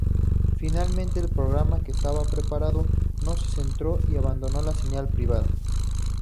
Finalmente, el programa que estaba preparando no se concretó y abandonó la señal privada.